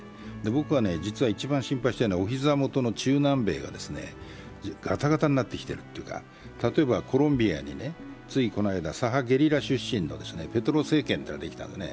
僕は実は一番心配しているのはお膝元の中南米がガタガタになってきているというか、例えばコロンビアについこの間、左派ゲリラ出身のペトロ政権ができたんですね。